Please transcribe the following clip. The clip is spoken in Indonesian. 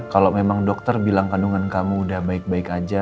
kalau memang dokter bilang kandungan kamu udah baik baik aja